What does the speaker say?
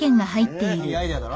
いいアイデアだろ？